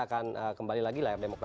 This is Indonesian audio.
bahkan pemerintah juga sudah dideteksi